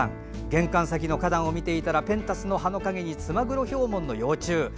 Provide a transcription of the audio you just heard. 玄関先の花壇を見ていたらペンタスの葉の陰にツマグロヒョウモンの幼虫。